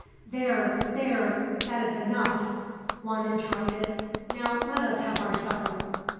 "There, there, that is enough," Juan interrupted. "Now let us have our supper."